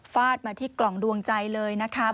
ฟาดมาที่กล่องดวงใจเลยนะครับ